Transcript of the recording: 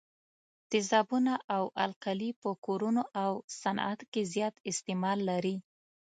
تیزابونه او القلي په کورونو او صنعت کې زیات استعمال لري.